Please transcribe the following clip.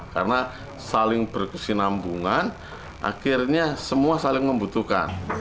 karena saling berkesinambungan akhirnya semua saling membutuhkan